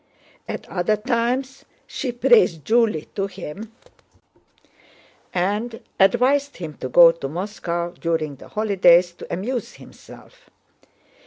At other times she praised Julie to him and advised him to go to Moscow during the holidays to amuse himself.